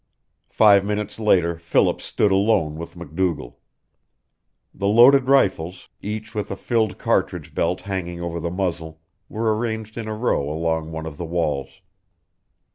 Five minutes later Philip stood alone with MacDougall. The loaded rifles, each with a filled cartridge belt hanging over the muzzle, were arranged in a row along one of the walls.